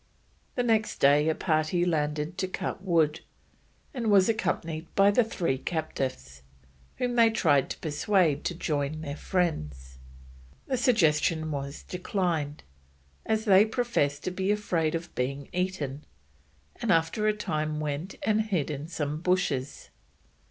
The next day a party landed to cut wood, and was accompanied by the three captives, whom they tried to persuade to join their friends. The suggestion was declined, as they professed to be afraid of being eaten, and after a time went and hid in some bushes.